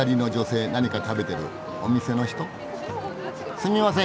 すみません。